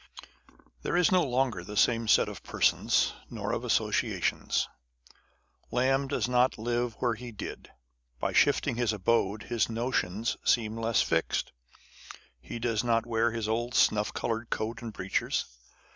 There is no longer the same set of persons, nor of associa tions. Lamb does not live where he did. By shifting his abode, his notions seem less fixed. He does not wear his old snuff coloured coat and breeches.